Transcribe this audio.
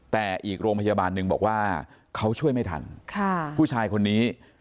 แต่อีกโรงพยาบาลหนึ่งบอกว่าเขาช่วยไม่ทันผู้ชายคนนี้